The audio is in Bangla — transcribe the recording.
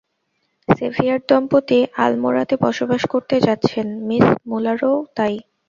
সেভিয়ার দম্পতি আলমোড়াতে বসবাস করতে যাচ্ছেন, মিস মূলারও তাই।